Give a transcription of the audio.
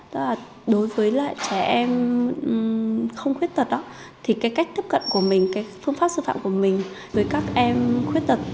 tức là đối với lại trẻ em không khuyết tật thì cái cách tiếp cận của mình cái phương pháp sư phạm của mình với các em khuyết tật